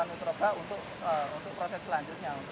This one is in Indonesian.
untuk proses selanjutnya untuk proses fermentasi anaerob itu